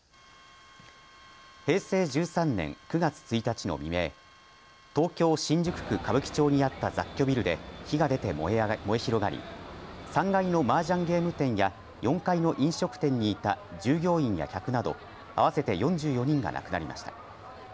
平成１３年９月１日の未明東京・新宿区歌舞伎町にあった雑居ビルで火が出て燃え広がり３階のマージャンゲーム店や４階の飲食店にいた従業員や客など合わせて４４人が亡くなりました。